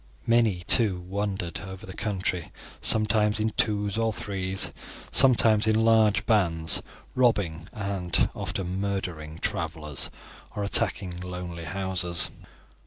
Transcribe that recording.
Many, too, wandered over the country, sometimes in twos or threes, sometimes in large bands, robbing and often murdering travelers or attacking lonely houses.